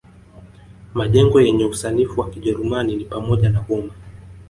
Majengo yenye usanifu wa Kijerumani ni pamoja na boma